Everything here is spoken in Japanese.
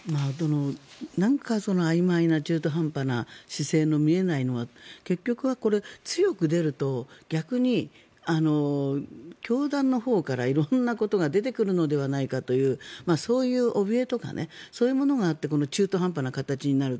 なんかあいまいな中途半端な姿勢が見えないのは結局は、強く出ると逆に教団のほうから色んなことから出てくるのではないかというそういうおびえとかそういうものがあって中途半端な形になる。